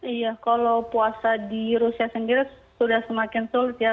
iya kalau puasa di rusia sendiri sudah semakin sulit ya